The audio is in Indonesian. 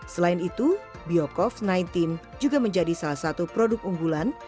selain itu biocov sembilan belas juga menjadi salah satu produk unggulan